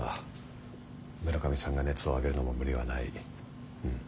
村上さんが熱を上げるのも無理はないうん